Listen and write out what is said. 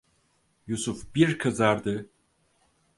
Yusuf bir kızardı.